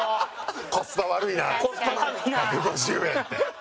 コスパ悪いな１５０円って。